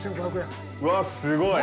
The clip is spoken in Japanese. うわ、すごい。